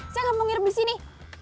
saya gak mau ngirim disini